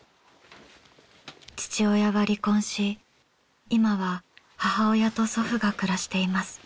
父親は離婚し今は母親と祖父が暮らしています。